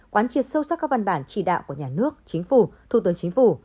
quán triệt sâu sắc các văn bản chỉ đạo của nhà nước chính phủ thủ tướng chính phủ